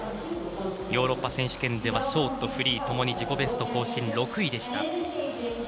ヨーロッパ選手権ではショート、フリーともに自己ベスト更新、６位でした。